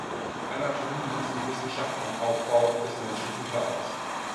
Anatomie ist die Wissenschaft vom Aufbau des menschlichen Körpers.